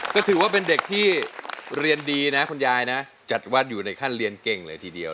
ก็ถือว่าเป็นเด็กที่เรียนดีนะคุณยายนะจัดวัดอยู่ในขั้นเรียนเก่งเลยทีเดียว